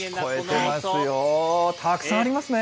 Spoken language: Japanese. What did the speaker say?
たくさんありますね。